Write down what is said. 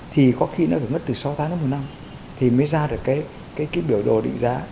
thì có khi nó phải mất từ sáu tháng đến một năm thì mới ra được cái biểu đồ định giá